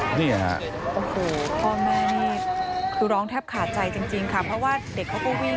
นี่ฮะโอ้โหพ่อแม่นี่คือร้องแทบขาดใจจริงค่ะเพราะว่าเด็กเขาก็วิ่ง